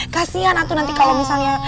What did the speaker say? kasian atau nanti kalau misalnya